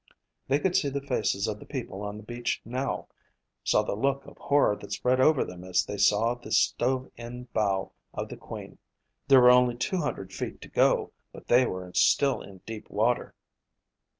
They could see the faces of the people on the beach now, saw the look of horror that spread over them as they saw the stove in bow of the Queen. There were only two hundred feet to go but they were still in deep water.